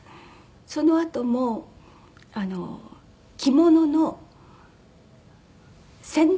そのあとも着物の宣伝？